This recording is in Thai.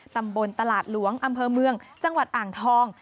ตำบลตลาดหลวงอำเภอเมืองจังหวัดอ่างทอง